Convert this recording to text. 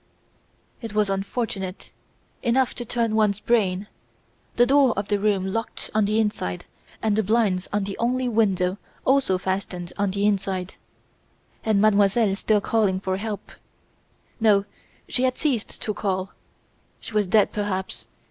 "'It was unfortunate, enough to turn one's brain! The door of the room locked on the inside and the blinds on the only window also fastened on the inside; and Mademoiselle still calling for help! No! she had ceased to call. She was dead, perhaps.